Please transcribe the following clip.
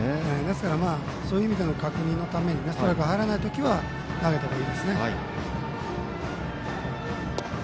そういう意味での確認のためにストライクはいらないときは投げたほうがいいですね。